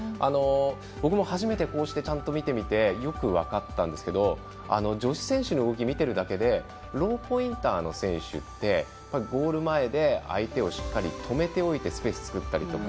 僕も初めてこうして、ちゃんと見てみてよく分かったんですけど女子選手の動き、見ているだけでローポインターの選手ってゴール前で相手をしっかり止めておいてスペース作ったりとか。